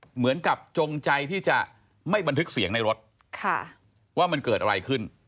เหมือนกับจงใจที่จะไม่บันทึกเสียงในรถว่ามันเกิดอะไรขึ้น